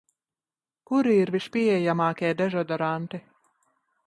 Kuri ir vispieejamākie dezodoranti?